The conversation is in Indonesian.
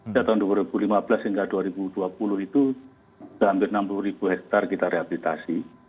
dari tahun dua ribu lima belas hingga dua ribu dua puluh itu hampir enam puluh hektar kita rehabilitasi